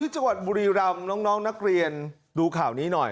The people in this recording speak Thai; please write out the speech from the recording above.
จังหวัดบุรีรำน้องนักเรียนดูข่าวนี้หน่อย